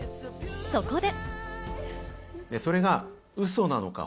そこで。